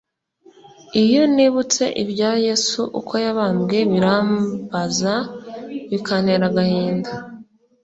Iyo nibutse ibya yesu uko yabambwe birambaza bikantera agahinda